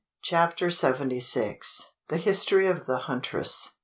CHAPTER SEVENTY SIX. THE HISTORY OF THE HUNTRESS.